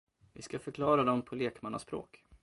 Vi ska förklara dem på lekmannaspråk.